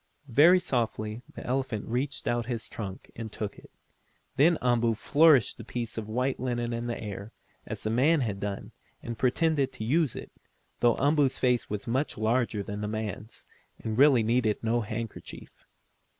Very softly the elephant reached put his trunk and took it. Then Umboo flourished the piece of white linen in the air, as the man had done, and pretended to use it, though Umboo's face was much larger than the man's, and really needed no handkerchief.